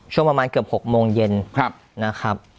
ช่วงประมาณเกือบ๖โมงเย็นนะครับ